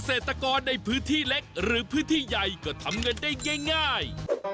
เศรษฐกรในพื้นที่เล็กหรือพื้นที่ใหญ่ก็ทำเงินได้ง่าย